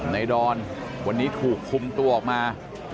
ดอนวันนี้ถูกคุมตัวออกมา